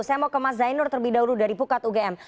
saya mau ke mas zainur terlebih dahulu dari pukat ugm